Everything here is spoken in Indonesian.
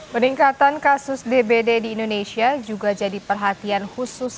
peningkatan kasus dbd di indonesia juga jadi perhatian khusus